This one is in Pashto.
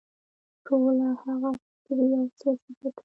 ټوله هغه فکري او سیاسي ګټه.